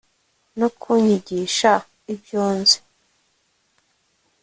no kunyigisha ibyo nzi